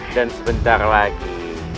dan sebentar lagi